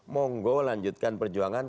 monggo lanjutkan perjuangan